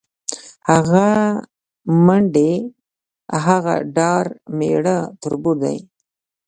هغه منډې، هغه ډار میړه تربور دی